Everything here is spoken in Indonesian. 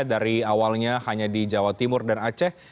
dari awalnya hanya di jawa timur dan aceh